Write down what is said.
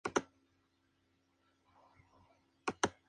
Los machos, generalmente no se reproducen antes de los quince años.